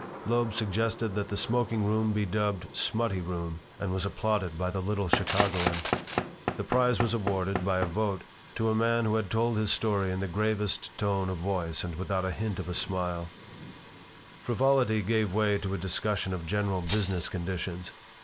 Loeb suggested that the smoking room be dubbed "smutty room" and was applauded by the little Chicagoan. The prize was awarded, by a vote, to a man who had told his story in the gravest tone of voice and without a hint of a smile Frivolity gave way to a discussion of general business conditions.